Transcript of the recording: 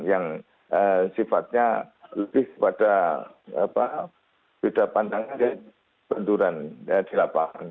yang sifatnya lebih pada beda pandangan benturan di lapangan